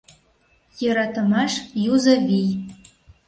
Йӧратымаш — юзо вий.